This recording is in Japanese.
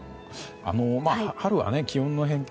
春は気温の変化